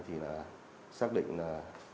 thì là xác định là